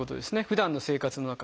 ふだんの生活の中で。